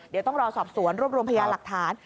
เดี๋ยวต้องรอสอบสวนรวบรวมพยานหลักฐาน